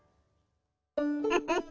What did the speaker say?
ウフフ。